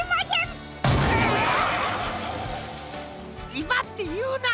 いばっていうな！